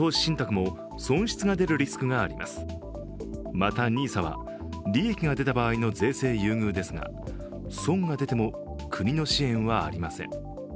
また、ＮＩＳＡは利益が出た場合の税制優遇ですが、損が出ても国の支援はありません。